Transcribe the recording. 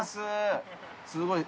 すごい。